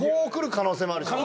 可能性もあるよね。